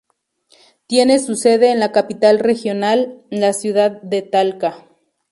Tiene su sede en la capital regional, la ciudad de Talca.